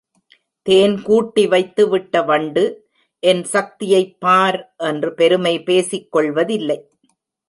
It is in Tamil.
தேன் கூட்டி வைத்து விட்ட வண்டு, என் சக்தியைப் பார்! என்று பெருமை பேசிக் கொள்வதில்லை.